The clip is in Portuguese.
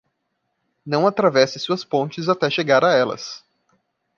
Não atravesse suas pontes até chegar a elas.